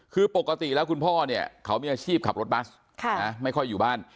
คือปกติแล้วคุณพ่อเนี่ยเขามีอาชีพขับรถบัสไม่ค่อยอยู่บ้าน